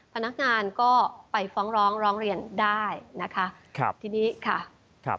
พนักงานก็ไปฟ้องร้องรองเรียนได้นะคะที่นี้ค่ะ